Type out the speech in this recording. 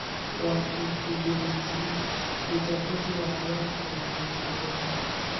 wa kushughulikia uchafuzi wa hewa unatekelezwa